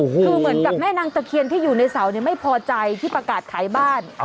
คือเหมือนกับแม่นางตะเคียนที่อยู่ในเสาไม่พอใจที่ประกาศขายบ้าน